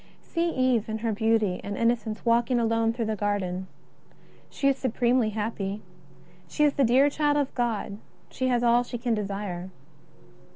See Eve in her beauty and innocence walking alone through the garden. She is supremely happy. She is the dear child of God ; she has all she can desire.